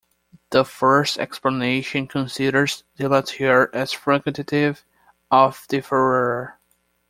The first explanation considers "dilatare" as frequentative of "differere".